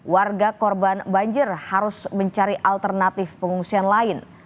warga korban banjir harus mencari alternatif pengungsian lain